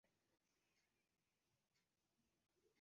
আমি এটাও লক্ষ্য করলাম বাবাও আমার মতো তোমার জন্য অপেক্ষা করছেন।